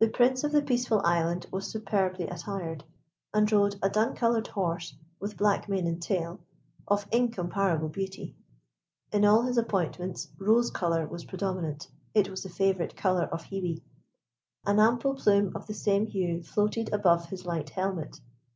The Prince of the Peaceful Island was superbly attired, and rode a dun coloured horse with black mane and tail of incomparable beauty. In all his appointments rose colour was predominant. It was the favourite colour of Hebe. An ample plume of the same hue floated above his light helmet.